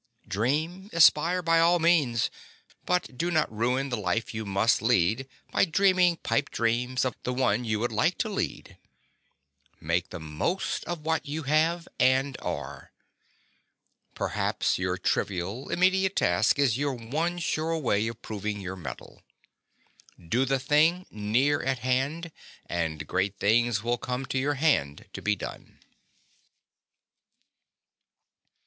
Dream, aspire by all means; but do not ruin the life you must lead by dreaming pipe dreams of the one you would like to lead. Make the most of what you have and are. Perhaps your trivial, immediate task is your one sure way of proving your mettle. Do the thing near at hand, and great things will come to your hand to be done.